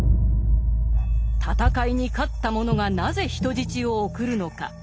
戦いに勝った者がなぜ人質を送るのか。